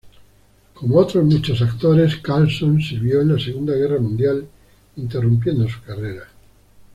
Como otros muchos actores, Carlson sirvió en la Segunda Guerra Mundial, interrumpiendo su carrera.